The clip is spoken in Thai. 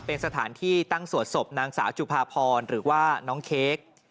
เป็นสถานที่ตั้งสวดศพนางสาวจุภาพรหรือว่าน้องเค้ก